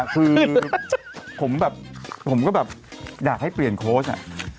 คือผมแบบผมก็แบบอยากให้เปลี่ยนโค้ชอะ